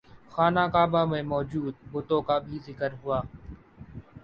خانہ کعبہ میں موجود بتوں کا بھی ذکر ہوا